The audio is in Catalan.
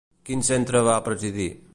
Quin centre va presidir?